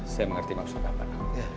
saya mengerti maksud bapak